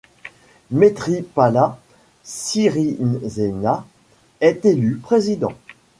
Maithripala Sirisena est élu président.